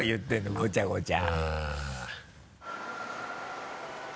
ごちゃごちゃ。